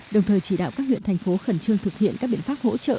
đồng thời chỉ đạo các huyện thành phố khẩn trương thực hiện các biện pháp hỗ trợ